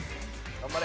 頑張れ！